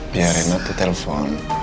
biar reina tuh telpon